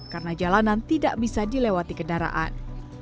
karena jalanan tidak bisa dilewati kendaraan